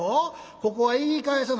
ここは言い返さな」。